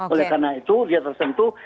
oleh karena itu dia tersentuh